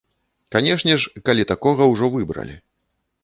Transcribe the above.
Канешне ж, калі такога ўжо выбралі.